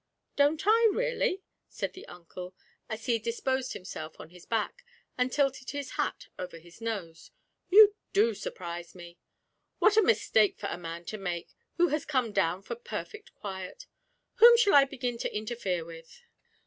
'Don't I, really?' said their uncle, as he disposed himself on his back, and tilted his hat over his nose; 'you do surprise me! What a mistake for a man to make, who has come down for perfect quiet! Whom shall I begin to interfere with?'